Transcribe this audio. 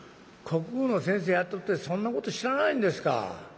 「国語の先生やっとってそんなこと知らないんですか？